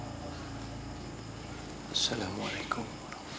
assalamualaikum warahmatullahi wabarakatuh